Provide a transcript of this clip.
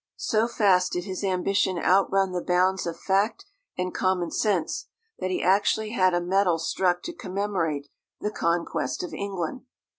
So fast did his ambition outrun the bounds of fact and common sense, that he actually had a medal struck to commemorate the conquest of England.